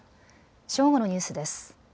正午のニュースです。